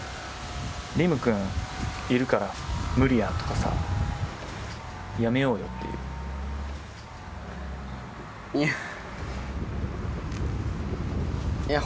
輪夢くんいるから無理やとかさやめようよっていういやええ！？